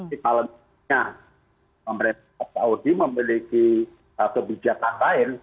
tapi kalau pemerintah saudi memiliki kebijakan lain